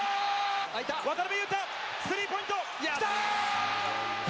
渡邊雄太、スリーポイントきたー！